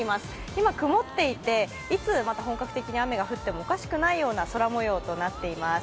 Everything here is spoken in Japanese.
今曇っていていつ本格的に雨が降ってもおかしくない空もようとなっています。